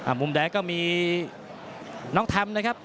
อ่ามุมแดงก็มีน้องทำนะครับ